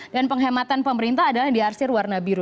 dan penghematan pemerintah adalah yang diarsir warna biru